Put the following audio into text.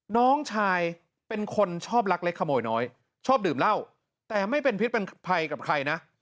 น้องชายเป็นคนชอบลักเล็กขโมยน้อยชอบดื่มเหล้าแต่ไม่เป็นพิษเป็นภัยกับใครนะ